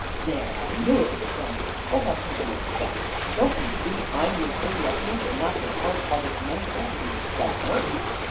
"There, I knew it was so. What else could you expect? Don't you see I'm your true refuge and not this hard hearted, money grasping farmer?"